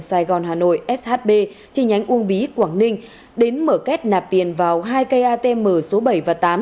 sài gòn hà nội shb chi nhánh uông bí quảng ninh đến mở kết nạp tiền vào hai cây atm số bảy và tám